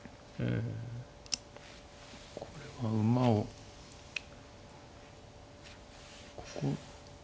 これは馬をここ。